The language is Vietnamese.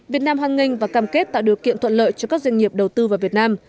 việt nam hoan nghênh và cam kết tạo điều kiện thuận lợi cho các doanh nghiệp đầu tư vào việt nam